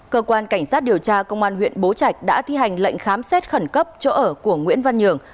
cơ quan cảnh sát điều tra công an huyện bố trạch đã thi hành lệnh khám xét khẩn cấp chỗ ở của nguyễn văn nhường